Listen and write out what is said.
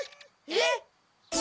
えっ！